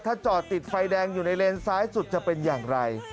ถ้าจอดติดไฟแดงอยู่ในเลนซ้ายสุดจะเป็นอย่างไร